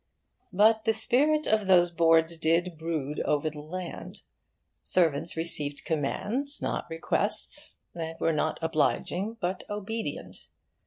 But the spirit of those boards did still brood over the land: servants received commands, not requests, and were not 'obliging' but obedient.